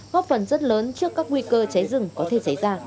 góp phần rất lớn trước các nguy cơ cháy rừng có thể xảy ra